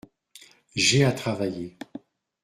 J’ai à travailler…